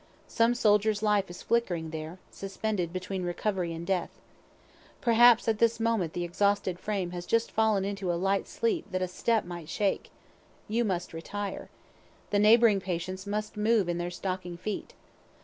Some soldier's life is flickering there, suspended between recovery and death. Perhaps at this moment the exhausted frame has just fallen into a light sleep that a step might shake. You must retire. The neighboring patients must move in their stocking feet.